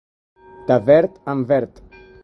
De verd en verd.